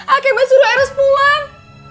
akemet suruh eros pulang